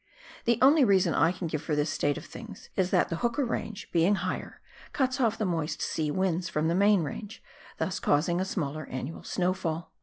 The only reason I can give for this state of things is that the Hooker range, being higher, cuts off the moist sea winds from the main range, thus causing a smaller annual snow fall.